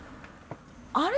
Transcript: あれ？